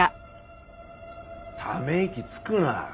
ため息つくな。